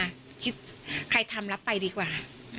คิดใครทำรับไปดีกว่า